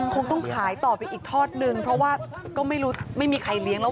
คงต้องขายต่อไปอีกทอดนึงเพราะว่าก็ไม่รู้ไม่มีใครเลี้ยงแล้ว